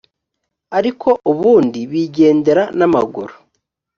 ariko ubundi bigendera n’amaguru